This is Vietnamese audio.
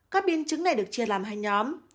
các biên chứng này được chia làm hai nhóm